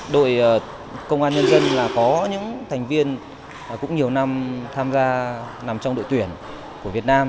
đội công an nhân dân là có những thành viên cũng nhiều năm tham gia nằm trong đội tuyển của việt nam